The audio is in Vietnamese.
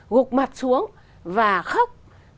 gục mặt xuống và khóc